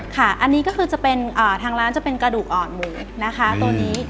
ค่ะอันนี้ก็คือจะเป็นทางร้านจะเป็นกระดูกอ่อนหมูนะคะตัวนี้